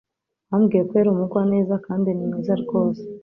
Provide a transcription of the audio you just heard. Wambwiye ko yari umugwaneza kandi ni mwiza rwose